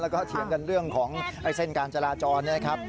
แล้วก็เถียงกันเรื่องของเส้นการจราจรนะครับ